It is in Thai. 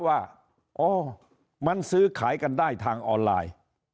ว่าอ๋อมันซื้อขายกันได้ทางออนไลน์